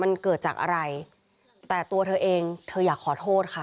มันเกิดจากอะไรแต่ตัวเธอเองเธออยากขอโทษค่ะ